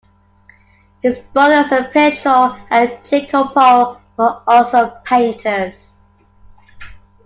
His brothers Pietro and Jacopo were also painters.